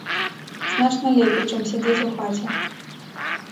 Значна лепей, чым сядзець у хаце.